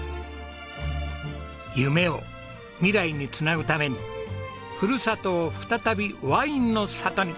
夢を未来につなぐためにふるさとを再びワインの里に。